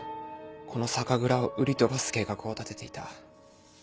この酒蔵を売り飛ばす計画を立てていた。